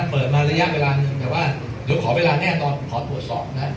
เปิดมาระยะเวลาหนึ่งแต่ว่าเดี๋ยวขอเวลาแน่นอนขอตรวจสอบนะ